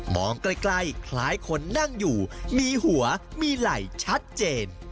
ใกล้คล้ายคนนั่งอยู่มีหัวมีไหล่ชัดเจน